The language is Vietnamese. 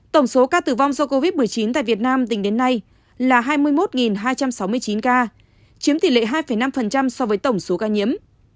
tổng số ca tử vong do covid một mươi chín tại việt nam tính đến nay là hai mươi một hai trăm sáu mươi chín ca chiếm tỷ lệ hai năm so với tổng số ca nhiễm